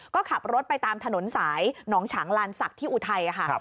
ก็ขับรถไปตามถนนสายหนองฉางลานศักดิ์ที่อุทัยค่ะ